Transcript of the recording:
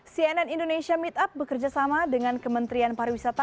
cnn indonesia meetup bekerjasama dengan kementerian pariwisata